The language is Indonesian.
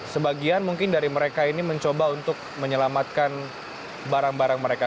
sebagian mungkin dari mereka ini mencoba untuk menyelamatkan barang barang mereka